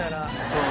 そう。